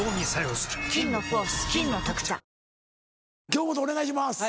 京本お願いします。